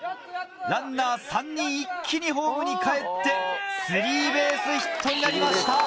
ランナー３人一気にホームにかえって３ベースヒットになりました。